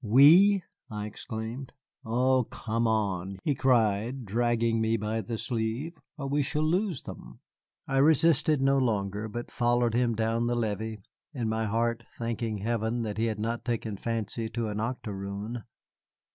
"We!" I exclaimed. "Oh, come on!" he cried, dragging me by the sleeve, "or we shall lose them." I resisted no longer, but followed him down the levee, in my heart thanking heaven that he had not taken a fancy to an octoroon.